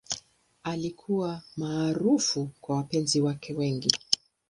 Alikuwa maarufu kwa wapenzi wake wengi.